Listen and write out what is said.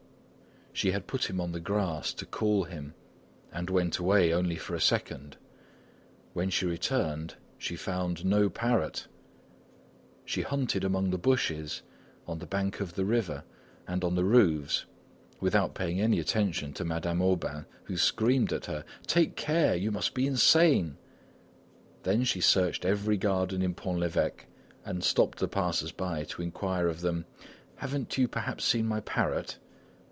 She had put him on the grass to cool him and went away only for a second; when she returned, she found no parrot! She hunted among the bushes, on the bank of the river, and on the roofs, without paying any attention to Madame Aubain who screamed at her: "Take care! you must be insane!" Then she searched every garden in Pont l'Evêque and stopped the passers by to inquire of them: "Haven't you perhaps seen my parrot?"